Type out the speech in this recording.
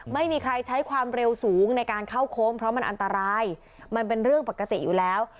ไม่มีใครใช้ความเร็วสูงในการเข้าโค้งเพราะมันอันตรายมันเป็นเรื่องปกติอยู่แล้ว